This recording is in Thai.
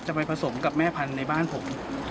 ไปผสมกับแม่พันธุ์ในบ้านผม